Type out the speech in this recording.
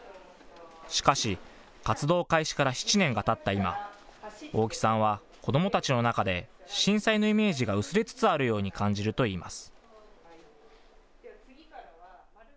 しかし、活動開始から７年がたった今、大木さんは子どもたちの中で震災のイメージが薄れつつあるように感じるといいます。